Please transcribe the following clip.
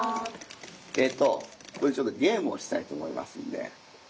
ちょっとゲームをしたいと思いますんで。